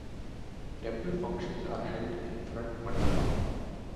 Temple functions are held in front mandapa.